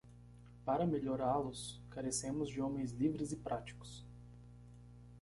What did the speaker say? Para melhorá-los carecemos de homens livres e práticos.